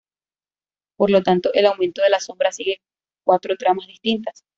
Por lo tanto, "El aumento de la sombra" sigue cuatro tramas distintas.